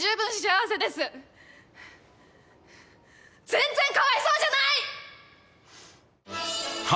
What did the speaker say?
全然かわいそうじゃない！